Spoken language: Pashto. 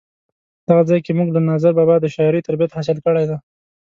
دغه ځای کې مونږ له ناظر بابا د شاعرۍ تربیت حاصل کړی دی.